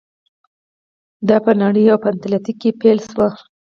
دا په نړۍ او په اتلانتیک کې پیل شو.